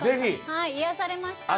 はいいやされました。